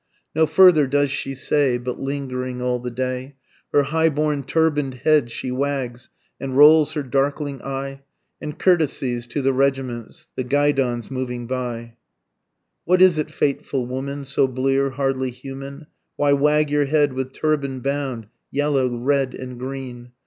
_ No further does she say, but lingering all the day, Her high borne turban'd head she wags, and rolls her darkling eye, And courtesies to the regiments, the guidons moving by. What is it fateful woman, so blear, hardly human? Why wag your head with turban bound, yellow, red and green?